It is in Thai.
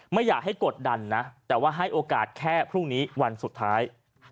ไม่อยากให้กดดันนะแต่ว่าให้โอกาสแค่พรุ่งนี้วันสุดท้าย